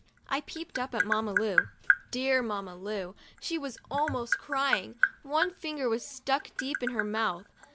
I peeped up at Mamma Lu, dear Mamma Lu. She was almost crying — one finger was stuck deep in her mouth.